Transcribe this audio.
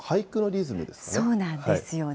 そうなんですよね。